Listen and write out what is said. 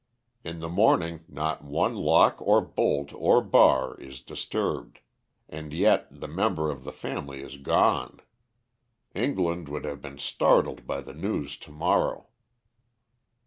In the morning not one lock or bolt or bar is disturbed. And yet the member of the family is gone. England would have been startled by the news to morrow."